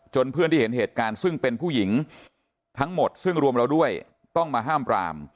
เพื่อนที่เห็นเหตุการณ์ซึ่งเป็นผู้หญิงทั้งหมดซึ่งรวมเราด้วยต้องมาห้ามปราม